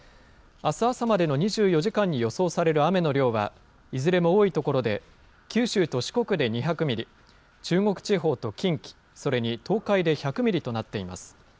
あす朝までの２４時間に予想される雨の量は、いずれも多い所で、九州と四国で２００ミリ、中国地方と近畿、それに東海で１００ミリとなっています。